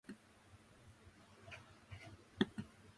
鹿児島県十島村